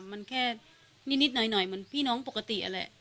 มันแค่นิดหน่อยเหมือนพี่น้องปกติ